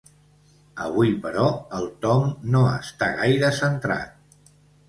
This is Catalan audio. Avui, però, el Tom no està gaire centrat.